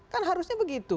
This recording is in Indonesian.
kan harusnya begitu